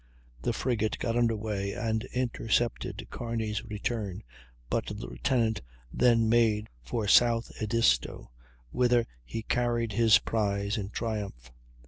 The frigate got under way and intercepted Kearney's return, but the Lieutenant then made for South Edisto, whither he carried his prize in triumph.